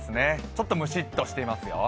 ちょっと蒸しっとしていますよ。